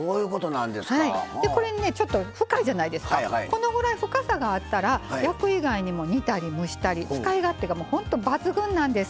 このぐらい深さがあったら焼く以外にも煮たり蒸したり使い勝手がもうほんと抜群なんです。